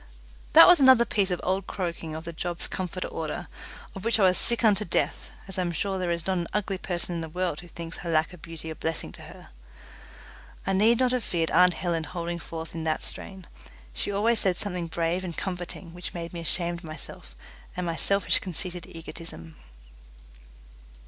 That was another piece of old croaking of the job's comforter order, of which I was sick unto death, as I am sure there is not an ugly person in the world who thinks her lack of beauty a blessing to her. I need not have feared aunt Helen holding forth in that strain. She always said something brave and comforting which made me ashamed of myself and my selfish conceited egotism.